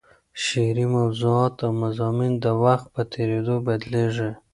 شعري موضوعات او مضامین د وخت په تېرېدو بدلېږي.